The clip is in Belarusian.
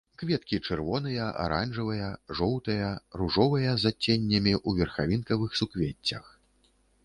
Кветкі чырвоныя, аранжавыя, жоўтыя, ружовыя з адценнямі, у верхавінкавых суквеццях.